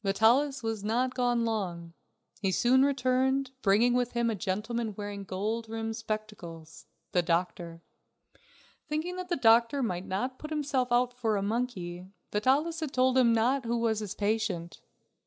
Vitalis was not gone long. He soon returned, bringing with him a gentleman wearing gold rimmed spectacles the doctor. Thinking that the doctor might not put himself out for a monkey, Vitalis had not told him who was his patient.